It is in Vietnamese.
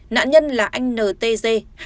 nạn nhân là anh ntz